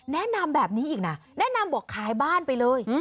แนะนำแบบนี้อีกนะแนะนำบอกขายบ้านไปเลย